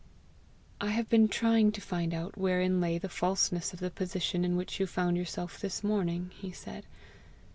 "I have been trying to find out wherein lay the falseness of the position in which you found yourself this morning," he said.